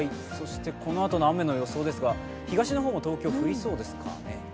このあとの雨の予想ですが東京、降りそうですかね？